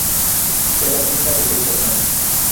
Fue la quinta de seis hermanos.